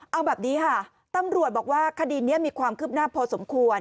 เอาแบบนี้ค่ะตำรวจบอกว่าคดีนี้มีความคืบหน้าพอสมควร